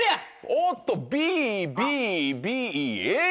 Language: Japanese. おっとＢＢＢＡ。